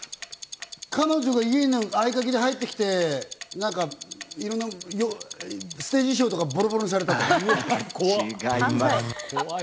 彼女が家に合鍵で入ってきて、ステージ衣装とかボロボロにされたとか？